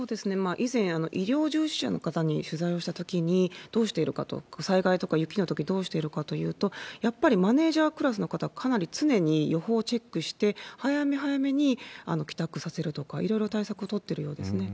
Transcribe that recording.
以前、医療従事者の方に取材をしたときに、どうしているかと、災害とか雪のとき、どうしているかというと、やっぱりマネージャークラスの方、かなり常に予報をチェックして、早め早めに帰宅させるとか、いろいろ対策を取ってるようですね。